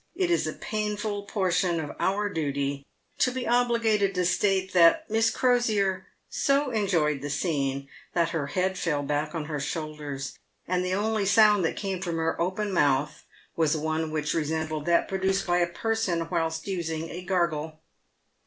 It is a painful portion of our duty to be obliged to state that Miss Crosier so enjoyed the scene, that her head fell back on her shoulders, and the only sound that came from her open mouth was one which resembled that produced by a person whilst using a gargle.